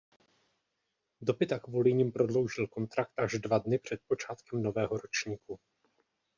Dopita kvůli nim prodloužil kontrakt až dva dny před počátkem nového ročníku.